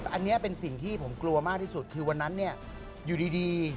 อันนี้เป็นสิ่งที่ผมกลัวมากที่สุดคือวันนั้นเนี่ยอยู่ดี